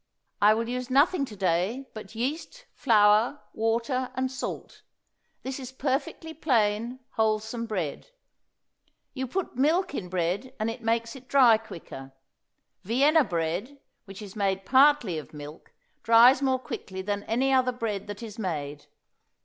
I will use nothing to day but yeast, flour, water, and salt. This is perfectly plain, wholesome bread. You put milk in bread and it makes it dry quicker. Vienna bread, which is made partly of milk, dries more quickly than any other bread that is made.